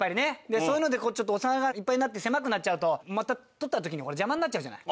そういうのでお皿がいっぱいになって狭くなっちゃうとまた取った時に邪魔になっちゃうじゃない。